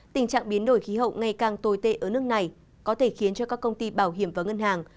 tình trạng biến đổi khí hậu ngày càng tồi tệ ở nước này có thể khiến cho các công ty bảo hiểm và ngân hàng